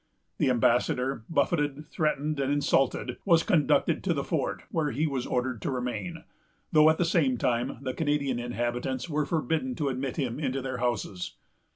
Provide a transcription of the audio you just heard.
The ambassador, buffeted, threatened, and insulted, was conducted to the fort, where he was ordered to remain; though, at the same time, the Canadian inhabitants were forbidden to admit him into their houses.